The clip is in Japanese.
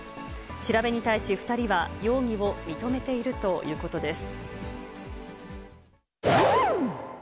調べに対し、２人は容疑を認めているということです。